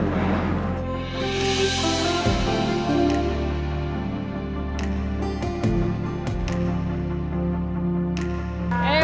eh pake u